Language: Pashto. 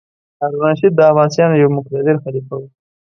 هارون الرشید د عباسیانو یو مقتدر خلیفه و.